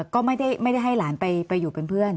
ก็ไม่ได้ให้หลานไปอยู่เป็นเพื่อน